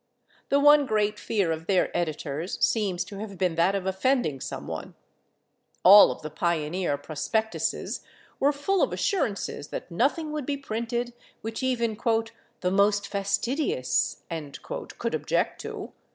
The one great fear of their editors seems to have been that of offending some one; all of the pioneer prospectuses were full of assurances that nothing would be printed which even "the most fastidious" could object to.